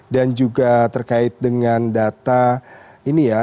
dan juga terkait dengan data ini ya